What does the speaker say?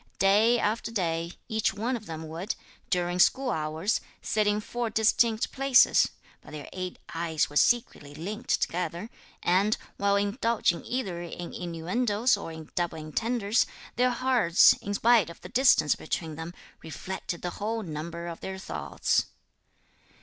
Day after day, each one of them would, during school hours, sit in four distinct places: but their eight eyes were secretly linked together; and, while indulging either in innuendoes or in double entendres, their hearts, in spite of the distance between them, reflected the whole number of their thoughts.